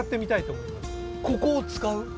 ここを使う？